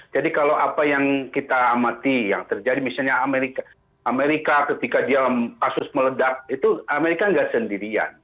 jadi kalau apa yang kita amati yang terjadi misalnya amerika ketika dia kasus meledak itu amerika tidak sendirian